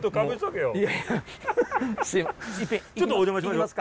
ちょっとお邪魔しましょ。